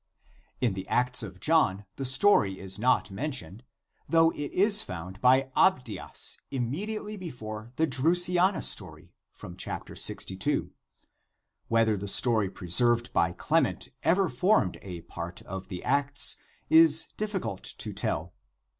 In the Acts of John the story is not mentioned though it is found by Abdias immediately before the Drusiana story (c. 62). Whether the story preserved by Clement ever formed a part of the Acts, is difficult to tell.